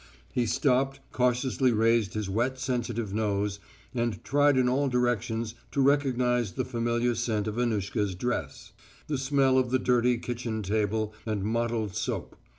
He stopped, cautiously raised his wet sensitive nose, and tried in all directions to recognise the familiar scent of Annushka's dress, the smell of the dirty kitchen table and mottled soap.